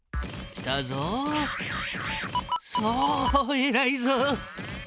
えらいぞ。